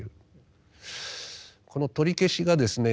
この取り消しがですね